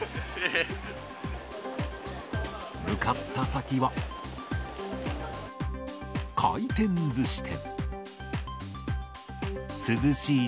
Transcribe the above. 向かった先は、回転ずし店。